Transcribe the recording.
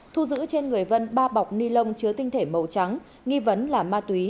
thu giữ trên người vân ba bọc ni lông chứa tinh thể màu trắng nghi vấn là ma túy